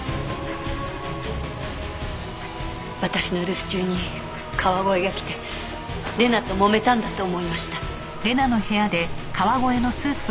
私の留守中に川越が来て礼菜ともめたんだと思いました。